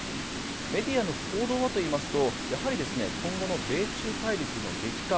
メディアの報道はといいますとやはり今後の米中対立の激化